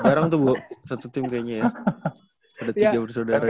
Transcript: iya bareng tuh bu satu tim kayaknya ya ada tiga bersaudara gitu